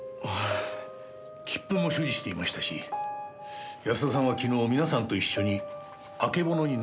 切符も所持していましたし安田さんは昨日皆さんと一緒にあけぼのに乗るつもりだった。